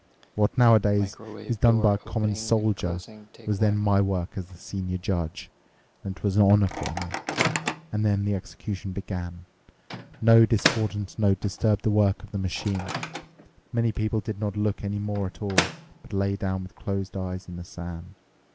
What nowadays is done by a common soldier was then my work as the senior judge, and it was a honour for me. And then the execution began! No discordant note disturbed the work of the machine. Many people did not look any more at all, but lay down with closed eyes in the sand.